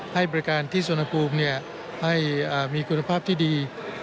ให้บริการที่สวนภูมิให้มีคุณภาพที่ดี